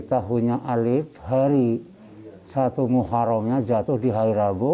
tahunya alif hari satu muharramnya jatuh di hari rabu